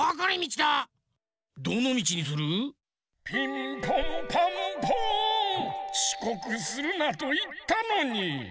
ちこくするなといったのに。